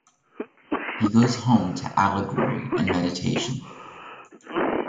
He goes home to allegory and meditation.